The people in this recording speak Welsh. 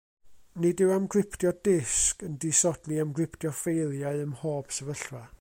Nid yw amgryptio disg yn disodli amgryptio ffeiliau ym mhob sefyllfa.